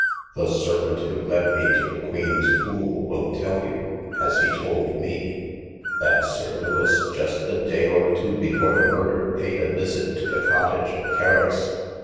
The servant who led me to the Queen's Pool will tell you, as he told me, that Sir Lewis just a day or two before the murder paid a visit to the cottage of Kerris.